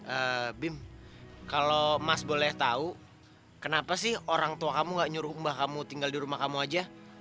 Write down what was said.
eh bim kalau mas boleh tahu kenapa sih orang tua kamu gak nyuruh mbah kamu tinggal di rumah kamu aja